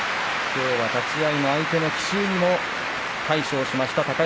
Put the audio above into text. きょうは立ち合いの相手の奇襲にも対応しました。